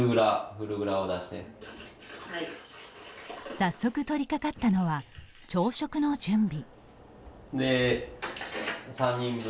早速取りかかったのは朝食の準備。